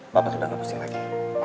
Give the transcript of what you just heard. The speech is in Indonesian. papa sudah gak pusing lagi